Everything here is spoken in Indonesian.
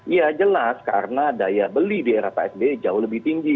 ya jelas karena daya beli di era pak sby jauh lebih tinggi